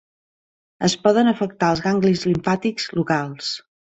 Es poden afectar els ganglis limfàtics locals.